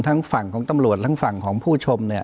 ทั้งฝั่งของตำรวจทั้งฝั่งของผู้ชมเนี่ย